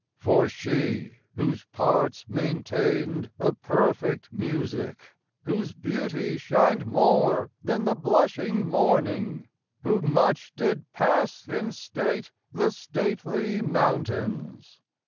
For she , whose parts maintainde a perfect musique, Whose beautie shin'de more then the blushing morning, Who much did passe in state the stately mountaines.